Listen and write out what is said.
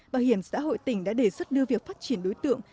bảo hiểm xã hội tỉnh đã đề xuất đưa việc phát triển đối tượng